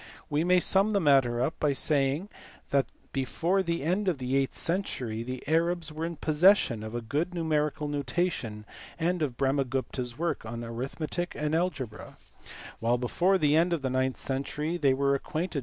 We may sum the matter up by saying that before the end of the eighth century the Arabs were in possession of a good numerical notation and of Brahmagupta s work on arithmetic and algebra ; while before * A work by Baldi on the lives of several of the Arab mathematicians !